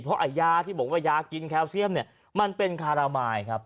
เพราะนี้ยาที่บอกว่ายากินแคลเซียมมันเป็นคาลามาย